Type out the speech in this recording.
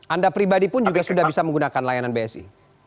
anda pribadi pun juga sudah bisa menggunakan layanan bsi